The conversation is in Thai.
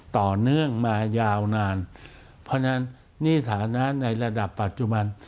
ต่อเนื่องมายาวนานเพราะฉะนั้นหนี้ฐานะในระดับปัจจุบัน